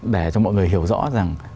để cho mọi người hiểu rõ rằng